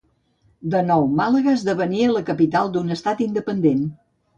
De nou Màlaga esdevenia la capital d'un estat independent.